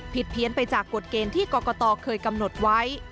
เพี้ยนไปจากกฎเกณฑ์ที่กรกตเคยกำหนดไว้